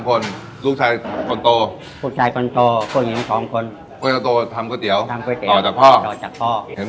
ภูมิใจด้วยก่อนผมไม่มีอะไรนะ